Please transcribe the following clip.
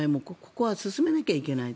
ここは進めなきゃいけない。